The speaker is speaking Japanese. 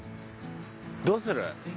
どうする？